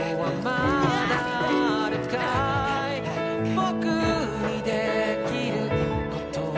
「僕にできることは」